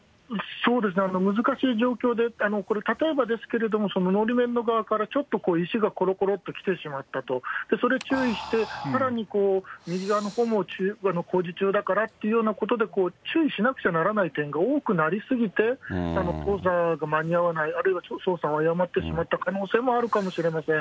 そうですね、難しい状況で、これ、例えばですけれども、のり面の側からちょっと石がころころっと来てしまったと、それ注意して、さらに右側のほうも工事中だからっていうようなことで、注意しなくちゃならない点が多くなりすぎて、操作が間に合わない、あるいは操作を誤ってしまった可能性もあるかもしれません。